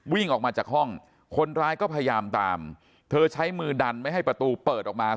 วิ่งออกมาจากห้องคนร้ายก็พยายามตามเธอใช้มือดันไม่ให้ประตูเปิดออกมา